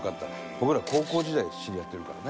僕ら高校時代に知り合ってるからね。